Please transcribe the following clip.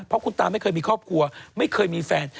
เพราะคุณตาไม่เคยมีครอบครัวไม่เคยมีแฟน